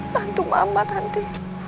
bantu mama tanti